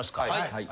はい。